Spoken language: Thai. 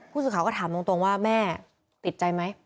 ผู้สื่อข่าวก็ถามตรงว่าแม่ติดใจไหม